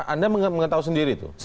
anda mengetahui sendiri itu